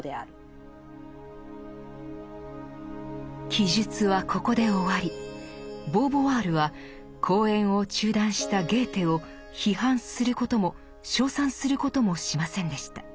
記述はここで終わりボーヴォワールは講演を中断したゲーテを批判することも称賛することもしませんでした。